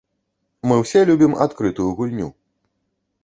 Мы ўсе любім адкрытую гульню.